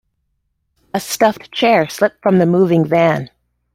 A stuffed chair slipped from the moving van.